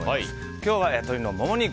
今日は鶏のモモ肉。